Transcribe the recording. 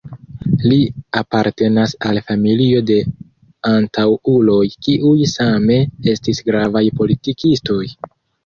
Li apartenas al familio de antaŭuloj kiuj same estis gravaj politikistoj.